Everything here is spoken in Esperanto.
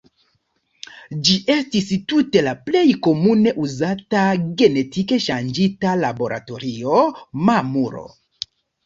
Ĝi estis tute la plej komune uzata genetike ŝanĝita laboratoria mamulo.